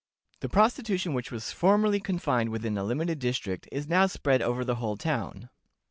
_The prostitution which was formerly confined within a limited district is now spread over the whole town.